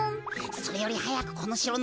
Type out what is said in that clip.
それよりはやくこのしろのひほう